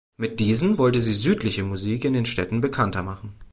Mit diesen wollte sie südliche Musik in den Städten bekannter machen.